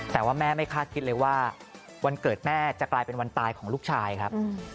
แต่ว่าแม่ไม่คาดคิดเลยว่าวันเกิดแม่จะกลายเป็นวันตายของลูกชายครับ